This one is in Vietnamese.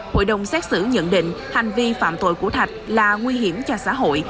hội đồng xét xử nhận định hành vi phạm tội của thạch là nguy hiểm cho xã hội